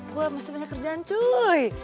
gue masih banyak kerjaan cuy